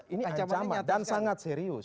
ini ancaman dan sangat serius